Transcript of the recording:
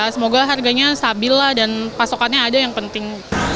semoga harganya stabil lah dan pasokannya ada yang penting